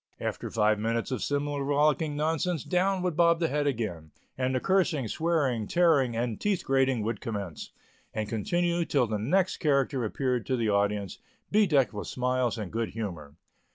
After five minutes of similar rollicking nonsense, down would bob the head again, and the cursing, swearing, tearing, and teeth grating would commence, and continue till the next character appeared to the audience, bedecked with smiles and good humor.